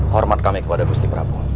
hormat kami kepada gusti prabowo